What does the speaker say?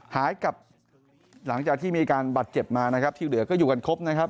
หายกับหลังจากที่มีการบัตรเก็บมาที่เหลือก็อยู่กันครบ